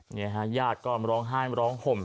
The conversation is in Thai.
นี่ฮะญาติก็ร้องไห้ร้องห่ม